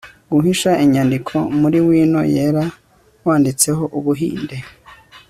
guhisha inyandiko muri wino yera wanditseho Ubuhinde